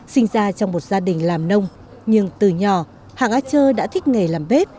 sinh ra trong một gia đình làm nông nhưng từ nhỏ hàng a chơ đã thích nghề làm bếp